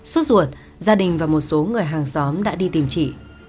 suốt ruột gia đình và một số người hàng xóm đã đi tìm trị